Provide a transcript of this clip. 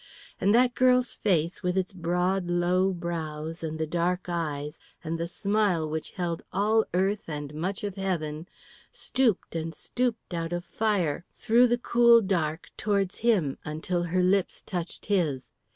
And that girl's face, with the broad low brows and the dark eyes and the smile which held all earth and much of heaven, stooped and stooped out of fire through the cool dark towards him until her lips touched his.